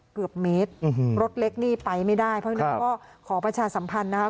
เกือบเมตรรถเล็กนี่ไปไม่ได้เพราะฉะนั้นก็ขอประชาสัมพันธ์นะครับ